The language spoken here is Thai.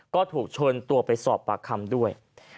ก็ถูกเชิญตัวไปสอบปากคำด้วย